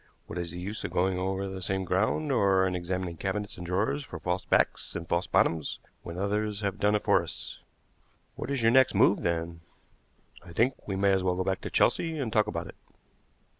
What is the use of going over the same ground, or in examining cabinets and drawers for false backs and false bottoms, when others have done it for us?" "What is your next move, then?" "I think we may as well go back to Chelsea and talk about it."